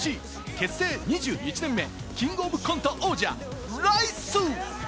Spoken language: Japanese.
結成２１年目、キングオブコント王者・ライス！